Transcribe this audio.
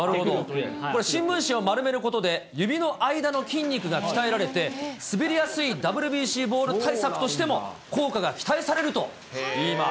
これ、新聞紙を丸めることで指の間の筋肉が鍛えられて、滑りやすいＷＢＣボール対策としても効果が期待されるといいます。